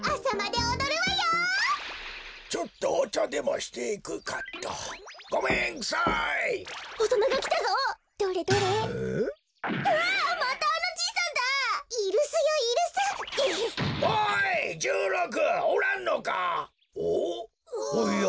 おや？